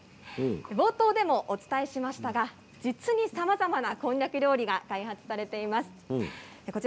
冒頭でもお伝えしましたが実にさまざまなこんにゃく料理が開発されています。